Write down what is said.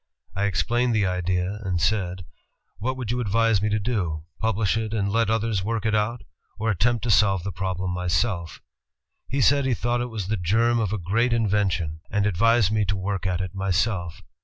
I explained the idea and said: 'What would you advise me to do, publish it and let others work it out, or attempt to solve the problem myself?' He said he thought it was 'the germ of a great invention,' and 240 INVENTIONS OF PRINTING AND COMMUNICATION advised me to work at it myself.